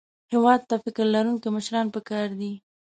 هېواد ته فکر لرونکي مشران پکار دي